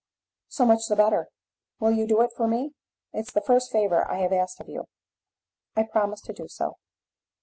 "So much the better. Will you do it for me? it's the first favour I have asked of you." "I promise to do so."